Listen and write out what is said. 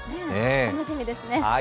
楽しみですね。